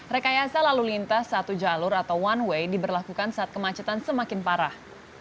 rekayasa lalu lintas satu jalur atau one way diberlakukan saat kemacetan semakin parah